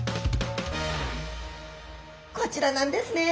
こちらなんですね。